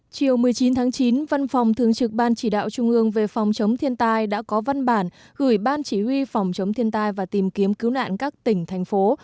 chiều một mươi chín tháng chín văn phòng thường trực ban chỉ đạo trung ương về phòng chống thiên tai đã có văn bản gửi ban chỉ huy phòng chống thiên tai và tìm kiếm cứu nạn các tỉnh thành phố